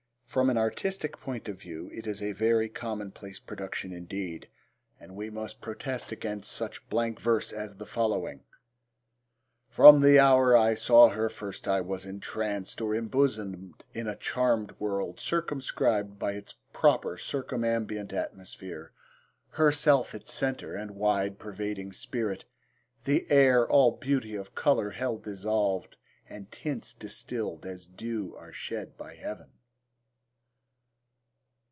From an artistic point of view it is a very commonplace production indeed, and we must protest against such blank verse as the following: From the hour I saw her first, I was entranced, Or embosomed in a charmed world, circumscribed By its proper circumambient atmosphere, Herself its centre, and wide pervading spirit. The air all beauty of colour held dissolved, And tints distilled as dew are shed by heaven.